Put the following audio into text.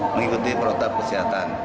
mengikuti protokol kesehatan